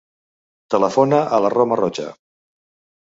Telefona a la Roma Rocha.